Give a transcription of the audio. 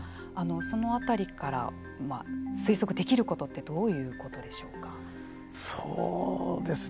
そのあたりから推測できることってどういうことでしょうか。